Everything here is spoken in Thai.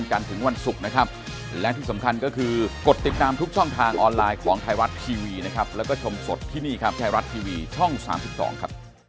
นัดหมอไว้แล้วแต่ไอ้ปูดฟันผมเห็นด้วยอาจารย์นะมันไม่ตายหรอกปูดฟันอะ